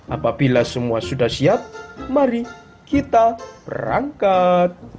apabila semua sudah siap mari kita berangkat